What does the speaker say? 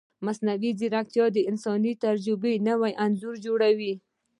مصنوعي ځیرکتیا د انساني تجربو نوی انځور جوړوي.